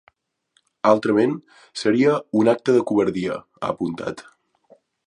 Altrament, seria ‘un acte de covardia’, ha apuntat.